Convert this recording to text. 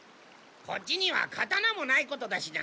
こっちには刀もないことだしな。